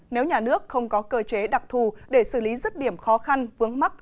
nếu nhà nước không có cơ chế đặc thù để xử lý rứt điểm khó khăn vướng mắc